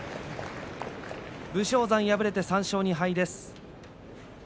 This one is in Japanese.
武将山、敗れました３勝２敗です。